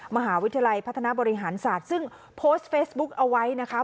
มหาวิทยาลัยพัฒนาบริหารศาสตร์ซึ่งโพสต์เฟซบุ๊กเอาไว้นะคะ